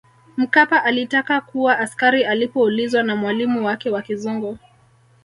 Mkapa alitaka kuwa askari Alipoulizwa na mwalimu wake wa kizungu